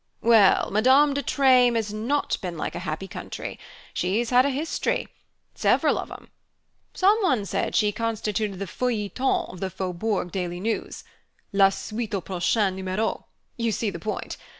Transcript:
"Well, Madame de Treymes has not been like a happy country she's had a history: several of 'em. Some one said she constituted the feuilleton of the Faubourg daily news. La suite au prochain numero you see the point?